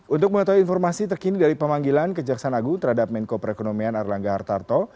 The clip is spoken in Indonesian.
untuk mengetahui informasi terkini dari pemanggilan kejaksaan agung terhadap menko perekonomian erlangga hartarto